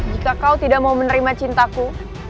jika kau tidak mau menerima cintaku